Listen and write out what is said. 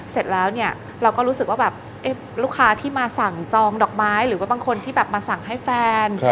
เสร็จแล้วเนี่ยเราก็รู้สึกว่าแบบลูกค้าที่มาสั่งจองดอกไม้หรือว่าบางคนที่แบบมาสั่งให้แฟน